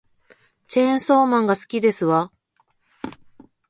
チェーンソーマンが好きですわ